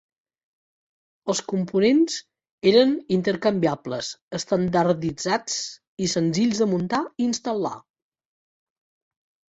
Els components eren intercanviables, estandarditzats i senzills de muntar i instal·lar.